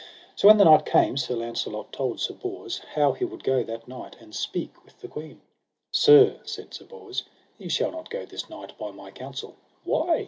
So when the night came, Sir Launcelot told Sir Bors how he would go that night and speak with the queen. Sir, said Sir Bors, ye shall not go this night by my counsel. Why?